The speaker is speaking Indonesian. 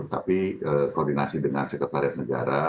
tapi koordinasi dengan sekretariat negara